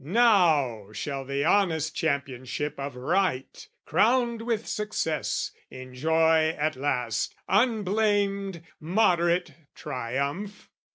Now shall the honest championship of right, Crowned with success, enjoy at last, unblamed, Moderate triumph!